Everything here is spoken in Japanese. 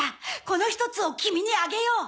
この１つをキミにあげよう。